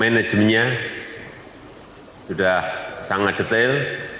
manajemennya sudah sangat detail